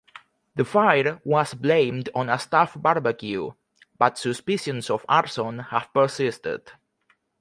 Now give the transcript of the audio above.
The fire was blamed on a staff barbecue, but suspicions of arson have persisted.